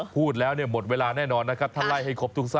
พูดแล้วเนี่ยหมดเวลาแน่นอนนะครับ